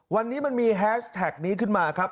วันนี้มันมีแฮชแท็กนี้ขึ้นมาครับ